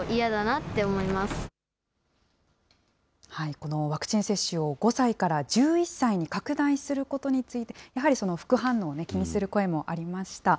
このワクチン接種を５歳から１１歳に拡大することについて、やはり副反応を気にする声もありました。